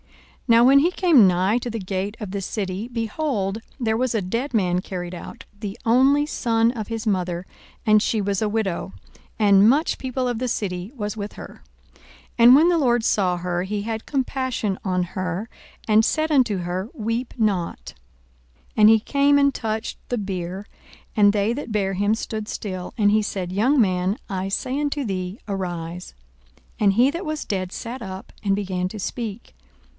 42:007:012 Now when he came nigh to the gate of the city, behold, there was a dead man carried out, the only son of his mother, and she was a widow: and much people of the city was with her. 42:007:013 And when the Lord saw her, he had compassion on her, and said unto her, Weep not. 42:007:014 And he came and touched the bier: and they that bare him stood still. And he said, Young man, I say unto thee, Arise. 42:007:015 And he that was dead sat up, and began to speak.